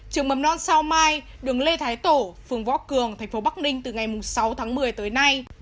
trường mầm non sao mai đường lê thái tổ phường võ cường thành phố bắc ninh từ ngày sáu tháng một mươi tới nay